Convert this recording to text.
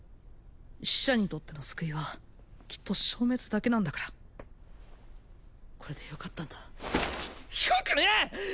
死者にとっての救いはきっと消滅だけなんだからこれでよかったんだよくねえ！